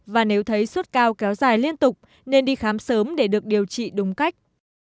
và nếu thấy sốt cao kéo dài liên tục nên đi khám sớm để được điều trị đúng cách